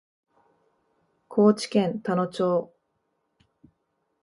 高知県田野町